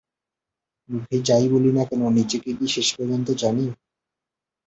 মুখে যা-ই বলি না কেন, নিজেকে কি শেষ পর্যন্ত জানি?